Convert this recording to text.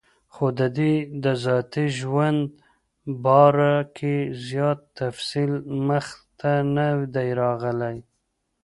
خو دَدوي دَذاتي ژوند باره کې زيات تفصيل مخې ته نۀ دی راغلی